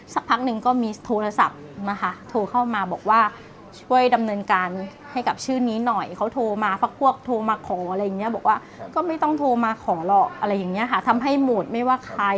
สักพักหนึ่งก็มีโทรศัพท์นะคะโทรเข้ามาบอกว่าช่วยดำเนินการให้กับชื่อนี้หน่อยเขาโทรมาพักพวกโทรมาขออะไรอย่างเงี้ยบอกว่าก็ไม่ต้องโทรมาขอหรอกอะไรอย่างเงี้ยค่ะทำให้โหมดไม่ว่าใคร